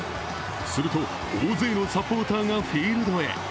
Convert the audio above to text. すると、大勢のサポーターがフィールドへ。